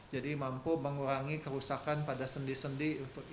jadi mampu mengurangi kerusakan pada sendi sendi